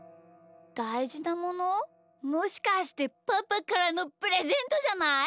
「だいじなもの」？もしかしてパパからのプレゼントじゃない？